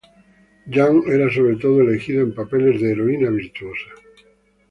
Young era sobre todo elegida en papeles de heroína virtuosa.